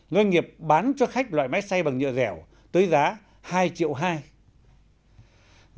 doanh nghiệp bán cho khách loại máy xay bằng nhựa dẻo tới giá hai hai triệu đồng